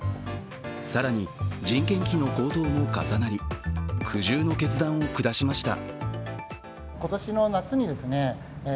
更に、人件費の高騰も重なり苦渋の決断を下しました。